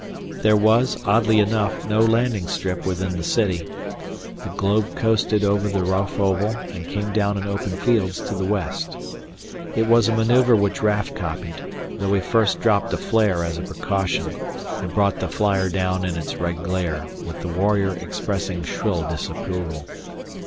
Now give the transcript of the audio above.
There was, oddly enough, no landing strip within the city. The globe coasted over the rough oval and came down in open fields to the west. It was a maneuver which Raf copied, though he first dropped a flare as a precaution and brought the flier down in its red glare, with the warrior expressing shrill disapproval.